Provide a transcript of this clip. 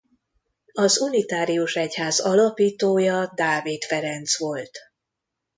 Az unitárius egyház alapítója Dávid Ferenc volt.